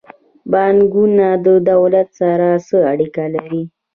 بانکونه د دولت سره څه اړیکه لري؟